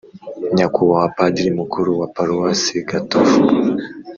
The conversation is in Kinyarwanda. nyakubahwa padiri mukuru wa paruwasi gatovu,